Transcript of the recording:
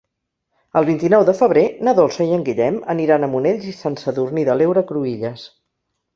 El vint-i-nou de febrer na Dolça i en Guillem aniran a Monells i Sant Sadurní de l'Heura Cruïlles.